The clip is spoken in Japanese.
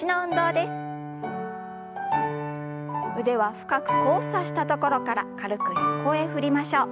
腕は深く交差したところから軽く横へ振りましょう。